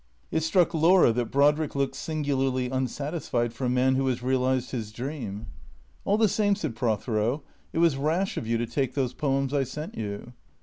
It struck Laura that Brodrick looked singularly unsatisfied for a man who has realized his dream. " All the same," said Prothero, " it was rash of you to take those poems I sent you."